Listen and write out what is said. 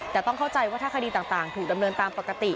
แต่ต้องเข้าใจว่าถ้าคดีต่างถูกดำเนินตามปกติ